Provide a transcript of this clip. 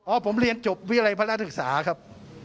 อ้ะผมเรียนจบเวียรัยพลาดศึกษาครับ